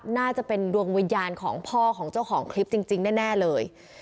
น่าจะเป็นดวงวิญญาณของพ่อของเจ้าของคลิปจริงแน่เลย